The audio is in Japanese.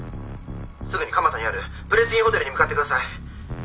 すぐに蒲田にあるプレスインホテルに向かってください。